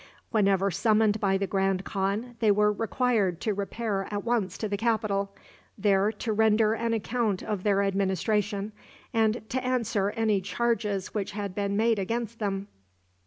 Whenever summoned by the grand khan they were required to repair at once to the capital, there to render an account of their administration, and to answer any charges which had been made against them.